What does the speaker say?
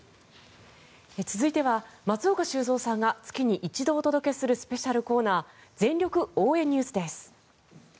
続いては松岡修造さんが月に一度お届けするスペシャルコーナー全力応援ＮＥＷＳです。